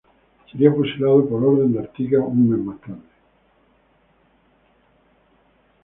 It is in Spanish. Sería fusilado por orden de Artigas un mes más tarde.